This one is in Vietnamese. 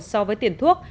so với tiền thuốc